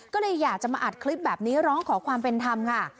ก็เลยอยากจะมาอัดคลิปแบบนี้ร้องขอความเป็นธรรมค่ะ